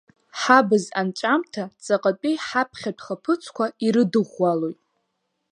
Ҳабз анҵәамҭа ҵаҟатәи ҳаԥхьатә хаԥыцқәа ирыдыӷәӷәалоит.